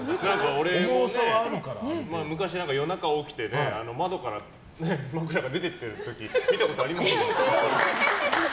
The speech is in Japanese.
俺もね、昔、夜中起きて窓から枕が出て行ってるの見たことありますよ。